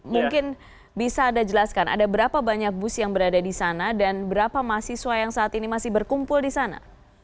mungkin bisa anda jelaskan ada berapa banyak bus yang berada di sana dan berapa mahasiswa yang saat ini masih berkumpul di sana